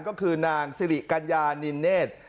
ก็คือนางสิริกัญญานินเนธ